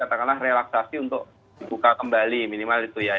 maksudnya saya sudah terpaksa untuk buka kembali minimal itu ya